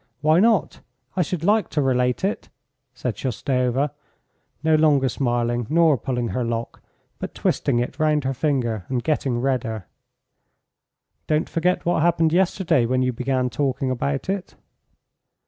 "Why not? I should like to relate it," said Shoustova, no longer smiling nor pulling her lock, but twisting it round her finger and getting redder. "Don't forget what happened yesterday when you began talking about it."